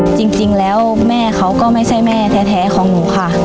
จริงแล้วแม่เขาก็ไม่ใช่แม่แท้ของหนูค่ะ